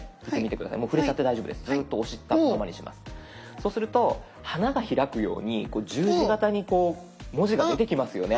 そうすると花が開くように十字形にこう文字が出てきますよね。